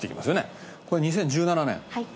これ２０１７年。